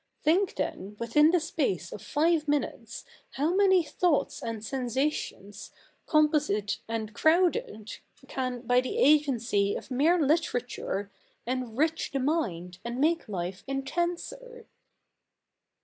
Think, then, within the space of five minutes how many thoughts and sensations, composite and crowded, can, by the agency of mere literature, enrich the mind and make life intenser.'